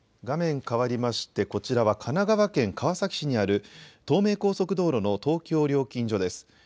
画面変わりまして、こちらは、神奈川県川崎市にある東名高速道路の東京料金所です。